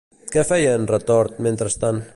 Què feia en Retort mentrestant?